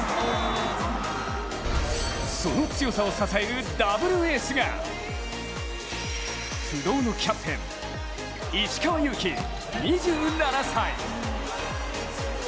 その強さを支えるダブルエースが不動のキャプテン石川祐希、２７歳。